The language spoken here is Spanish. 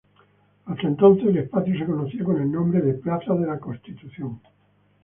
Hasta entonces, el espacio se conocía con el nombre de plaza de la Constitución.